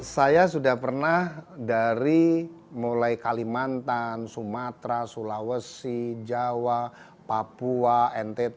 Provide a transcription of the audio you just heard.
saya sudah pernah dari mulai kalimantan sumatera sulawesi jawa papua ntt